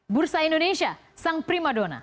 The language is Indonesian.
bursa indonesia sang primadona